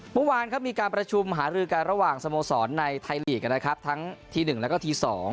เมื่อวานครับมีการประชุมหารือกันระหว่างสโมสรในไทยลีกนะครับทั้งที๑แล้วก็ที๒